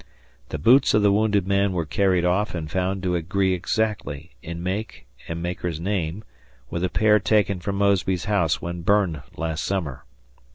The boots of the wounded man were carried off and found to agree exactly, in make and maker's name, with a pair taken from Mosby's house when burned last summer.